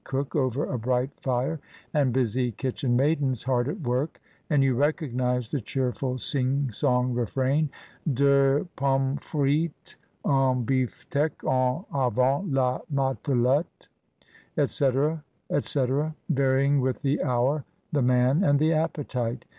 cook over a bright fire, and busy kitchen maidens hard at work, and you recognise the cheerful sing song refrain, "Deux pommes f rites ^ un bt/tecky en avant la matelotte ^^ &c, &., varying with the hour, the man, and the appetite.